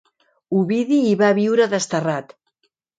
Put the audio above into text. Ovidi hi va viure desterrat.